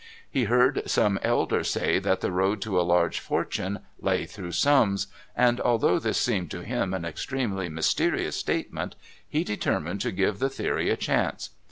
He heard some elder say that the road to a large fortune lay through "Sums," and, although this seemed to him an extremely mysterious statement, he determined to give the theory a chance.